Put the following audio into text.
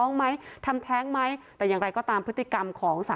คนที่ใจร้ายอยากจะพูดดีทุกคน